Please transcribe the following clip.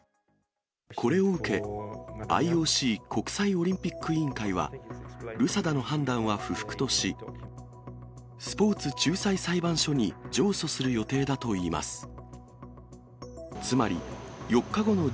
これを受け、ＩＯＣ・国際オリンピック委員会は、ルサダの判断は不服とし、スポーツ仲裁裁判所に上訴する予定だといいます。